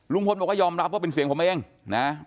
ลุงพลบอกว่ายอมรับว่าเป็นเสียงผมเองนะ